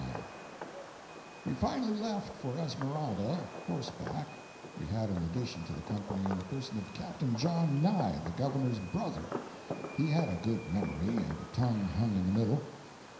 When we finally left for Esmeralda, horseback, we had an addition to the company in the person of Capt. John Nye, the Governor's brother. He had a good memory, and a tongue hung in the middle.